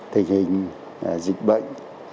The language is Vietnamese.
tình hình dịch bệnh